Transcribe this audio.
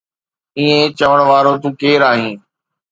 ائين چوڻ وارو تون ڪير آهين؟